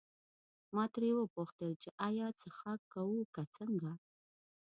ما ترې وپوښتل چې ایا څښاک کوو که څنګه.